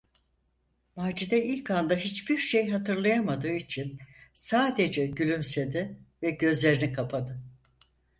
Macide ilk anda hiçbir şey hatırlayamadığı için sadece gülümsedi ve gözlerini kapadı.